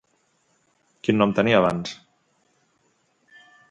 Quin nom tenia abans?